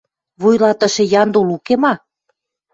Вуйлатышы Яндул уке ма?